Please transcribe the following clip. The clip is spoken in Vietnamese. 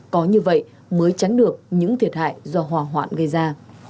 có như vậy mới tránh được những thiệt hại do hỏa hoạn gây ra